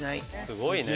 すごいね。